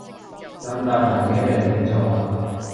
咁大壇嘢一個人點做啊